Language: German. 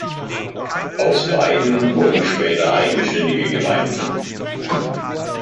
Aus beiden wurden später eigenständige Gemeinden.